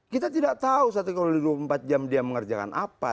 kita tidak tahu satu kali dua puluh empat jam dia mengerjakan apa